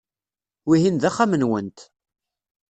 Wihin d axxam-nwent.